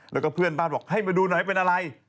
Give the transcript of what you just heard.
แล้วก็เพื่อนบ้านบอกให้มาดูหน่อยเป็นอะไร